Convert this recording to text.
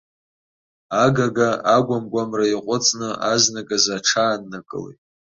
Агага агәамгәамра иаҟәыҵны азныказы аҽааннакылеит.